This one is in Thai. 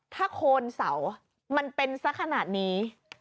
ถ้าโคนเสามันเป็นสักขนาดนี้